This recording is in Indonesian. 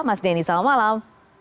mas denny selamat malam